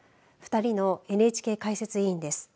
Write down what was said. ２人のＮＨＫ解説委員です。